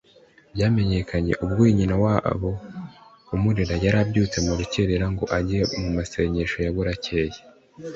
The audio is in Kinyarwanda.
Byamenyekanye ubwo uyu nyinawabo umurera yari abyutse mu rukerera ngo ajye mu masengesho ya buracyeye